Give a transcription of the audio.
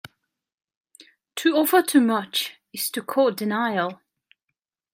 To offer too much, is to court denial.